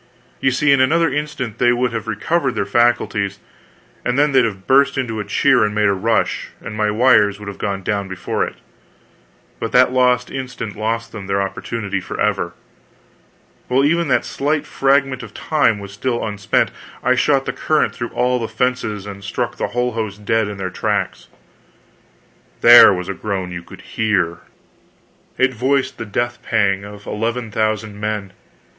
You see, in another instant they would have recovered their faculties, then they'd have burst into a cheer and made a rush, and my wires would have gone down before it; but that lost instant lost them their opportunity forever; while even that slight fragment of time was still unspent, I shot the current through all the fences and struck the whole host dead in their tracks! There was a groan you could hear! It voiced the death pang of eleven thousand men.